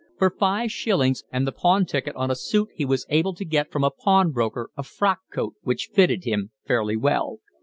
For five shillings and the pawn ticket on a suit he was able to get from a pawnbroker a frock coat which fitted him fairly well.